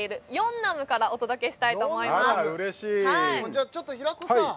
じゃあちょっと平子さん